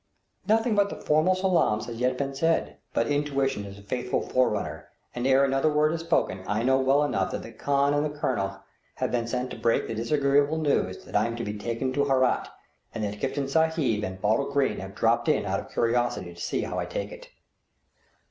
Nothing but the formal salaams has yet been said; but intuition is a faithful forerunner, and ere another word is spoken, I know well enough that the khan and the colonel have been sent to break the disagreeable news that I am to be taken to Herat, and that Kiftan Sahib and Bottle Green have dropped in out of curiosity to see how I take it.